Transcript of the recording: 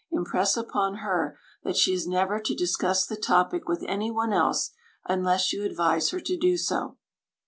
Impress upon her that she is never to discuss the topic with any one else, unless you advise her to do so.